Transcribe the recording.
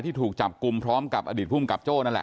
ถูกจับกลุ่มพร้อมกับอดีตภูมิกับโจ้นั่นแหละ